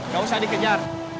gak usah dikejar